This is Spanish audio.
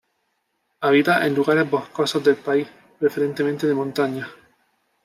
Habita en lugares boscosos del país, preferentemente de montaña.